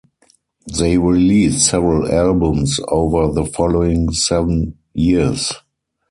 They released several albums over the following seven years.